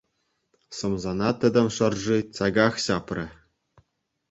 Сӑмсана тӗтӗм шӑрши чаках ҫапрӗ.